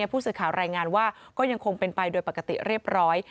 ผู้สื่อข่าวรายงานว่าก็ยังคงเป็นไปโดยปกติเรียบร้อย